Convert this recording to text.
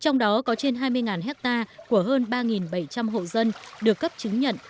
trong đó có trên hai mươi hectare của hơn ba bảy trăm linh hộ dân được cấp chứng nhận